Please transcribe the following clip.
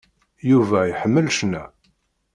Yuba iḥemmel cna.